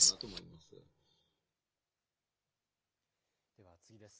では次です。